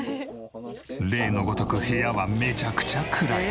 例のごとく部屋はめちゃくちゃ暗い。